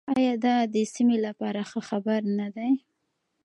آیا دا د سیمې لپاره ښه خبر نه دی؟